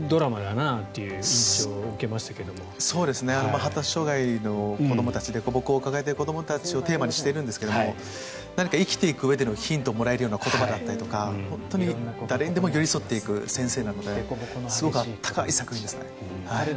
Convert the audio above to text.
発達障害の子どもたちでこぼこを抱えている子どもたちをテーマにしているんですが何か生きていくうえのヒントをもらえるような言葉だったりとか本当に誰にでも寄り添っていく先生なのですごく温かい作品ですね。